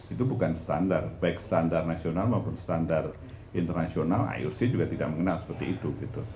itu bukan standar baik standar nasional maupun standar internasional ioc juga tidak mengenal seperti itu